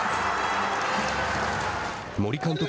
森監督